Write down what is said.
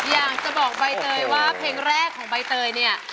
อยากจะบอกใบเตยว่าเพลงแรกของใบเตยเนี่ย